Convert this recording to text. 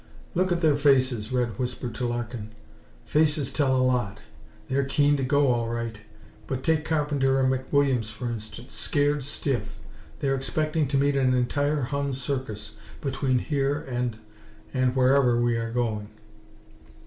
"Look at their faces," Red whispered to Larkin. "Faces tell a lot. They're keen to go, all right, but take Carpenter and McWilliams, for instance. Scared stiff. They're expecting to meet an entire Hun Circus between here and and wherever we are going."